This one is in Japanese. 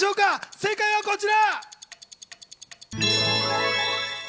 正解はこちら。